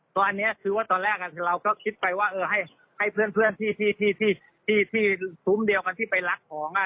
ตอนนี้คือว่าตอนแรกเราก็คิดไปว่าให้เพื่อนที่ซุ้มเดียวกันที่ไปรักของ